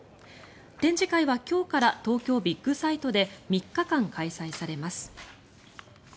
展示会は今日から東京ビッグサイトで３日間開催されます。